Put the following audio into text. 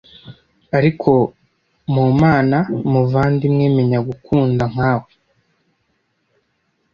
ariko mu mana muvandimwe menya gukunda nkawe